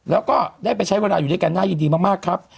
แล้วก็ได้ไปใช้เวลาอยู่ด้วยกันน่ายินดีมากครับ